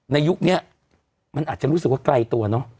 ยุคนี้มันอาจจะรู้สึกว่าไกลตัวเนอะ